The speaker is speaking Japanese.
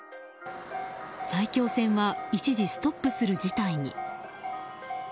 埼京線は一時ストップする事態に。